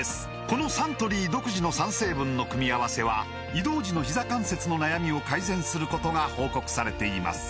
このサントリー独自の３成分の組み合わせは移動時のひざ関節の悩みを改善することが報告されています